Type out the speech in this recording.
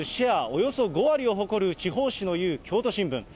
およそ５割を誇る地方紙の雄、京都新聞。